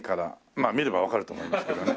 まあ見ればわかると思いますけどね。